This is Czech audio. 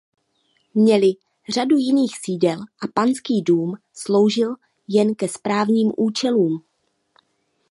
Měli řadu jiných sídel a Panský dům sloužil jen ke správním účelům.